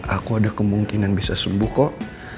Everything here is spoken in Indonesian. aku ada kemungkinan bisa sembuh kok